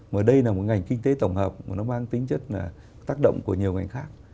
mà đây là một ngành kinh tế tổng hợp mà nó mang tính chất là tác động của nhiều ngành khác